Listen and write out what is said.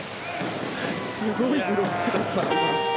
すごいブロックだった。